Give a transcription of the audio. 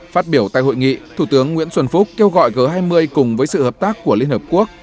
phát biểu tại hội nghị thủ tướng nguyễn xuân phúc kêu gọi g hai mươi cùng với sự hợp tác của liên hợp quốc